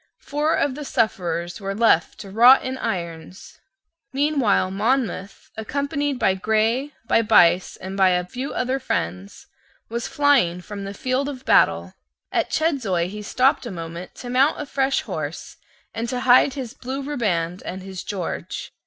Four of the sufferers were left to rot in irons. Meanwhile Monmouth, accompanied by Grey, by Buyse, and by a few other friends, was flying from the field of battle. At Chedzoy he stopped a moment to mount a fresh horse and to hide his blue riband and his George.